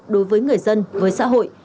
đối với người dân với xã hội